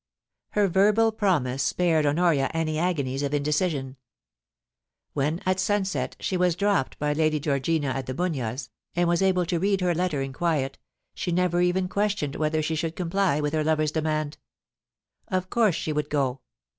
Her verbal promise spared Honoria any agonies of in decision. When at sunset she was dropped by Lady Georgina at The Bunyas, and was able to read her letter in quiet, she never even questioned whether she should comply with her lover's demand. Of course she would go.